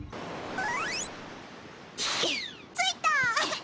着いた！